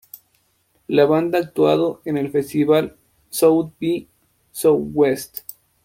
La banda ha actuado en el festival musical South by Southwest.